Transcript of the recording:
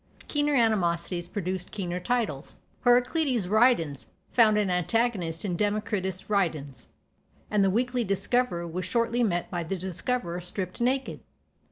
Keener animosities produced keener titles: "Heraclitus ridens" found an antagonist in "Democritus ridens," and "The Weekly Discoverer" was shortly met by "The Discoverer stript naked."